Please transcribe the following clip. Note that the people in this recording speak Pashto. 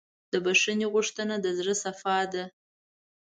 د بښنې غوښتنه د زړۀ صفا ده.